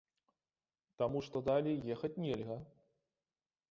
Таму што далей ехаць нельга.